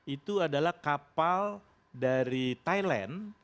itu adalah kapal dari thailand